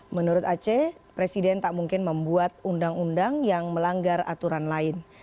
menurut aceh presiden tak mungkin membuat undang undang yang melanggar aturan lain